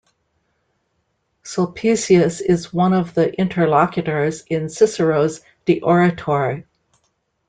Sulpicius is one of the interlocutors in Cicero's "De oratore".